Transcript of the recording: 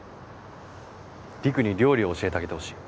りくに料理を教えてあげてほしい。